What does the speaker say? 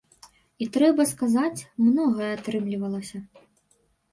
І трэба сказаць, многае атрымлівалася.